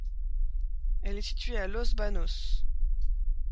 Elle est située à Los Baños.